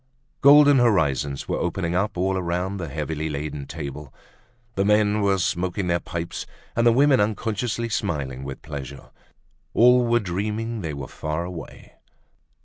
Golden horizons were opening up all around the heavily laden table. The men were smoking their pipes and the women unconsciously smiling with pleasure. All were dreaming they were far away.